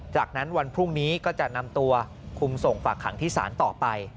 จากนั้นวันพรุ่งนี้ก็จะนำตัวคุมส่งฝากขังที่ศาลต่อไป